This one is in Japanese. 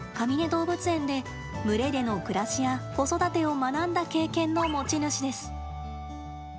動物園で群れでの暮らしや子育てを学んだ経験の持ち主です。